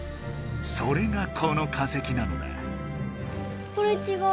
それがこの化石なのだ。